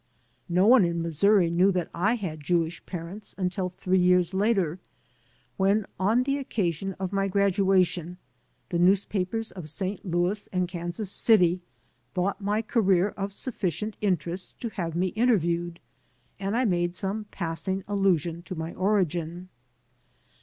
No one in Missouri knew that I had had Jewish parents until three years later, when, on the occasion of my graduation, the newspapers of St. Louis and Kansas City thought my career of sufficient interest to have me interviewed and I made some passing allusion to my origin.